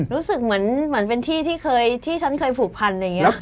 รู้สึกเหมือนเป็นที่ที่ฉันเคยผูกพัน